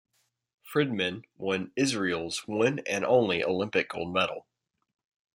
Fridman won Israel's one and only Olympic Gold Medal.